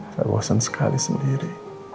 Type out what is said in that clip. saya bosan sekali sendiri